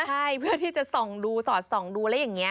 ใช่เพื่อที่จะส่องดูสอดส่องดูแล้วอย่างนี้